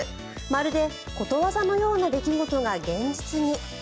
まるでことわざのような出来事が現実に。